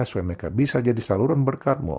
supaya mereka bisa jadi saluran berkat mu